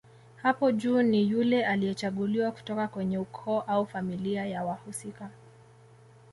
Hapo juu ni yule aliyechaguliwa kutoka kwenye ukoo au familia ya wahusika